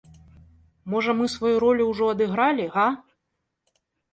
Можа, мы сваю ролю ўжо адыгралі, га?